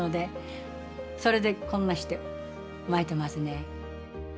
それでこんなして巻いてますね。